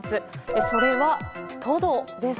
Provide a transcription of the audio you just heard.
それは、トドです。